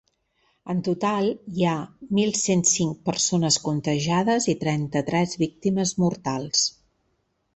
En total hi ha mil cent cinc persones contagiades i trenta-tres víctimes mortals.